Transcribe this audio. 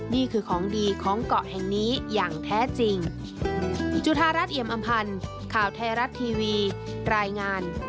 นี่คือของดีของเกาะแห่งนี้อย่างแท้จริง